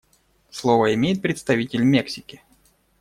Слово имеет представитель Мексики.